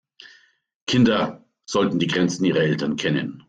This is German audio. Kinder sollten die Grenzen ihrer Eltern kennen.